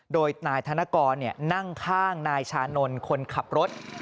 โดยนายธนกรนั่งข้างนายชานนท์คนขับรถ